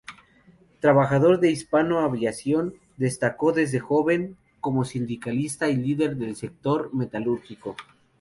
Trabajador de Hispano Aviación, destacó desde joven como sindicalista y líder del sector metalúrgico.